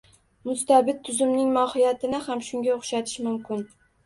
Mustabid tuzumning mohiyatini ham shunga o‘xshatish mumkin.